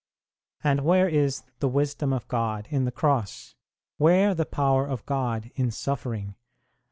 And where is the wisdom of God in the Cross ? Where the power of God in suffering